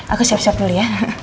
aku siap siap beli ya